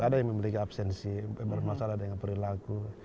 ada yang memiliki absensi bermasalah dengan perilaku